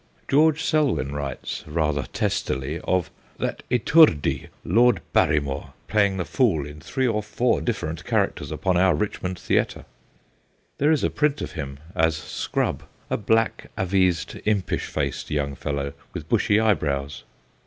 George Selwyn writes, rather testily, of ' that etourdi Lord Barry more playing the fool in three or four differ ent characters upon our Richmond theatre/ There is a print of him as ' Scrub/ a black a vised, impish faced young fellow with bushy eyebrows.